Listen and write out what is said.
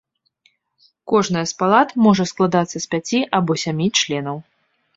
Кожная з палат можа складацца з пяці або сямі членаў.